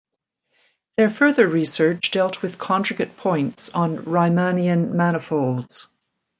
Their further research dealt with conjugate points on Riemannian manifolds.